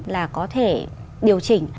là có thể điều chỉnh